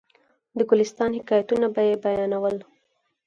د ګلستان حکایتونه به یې بیانول.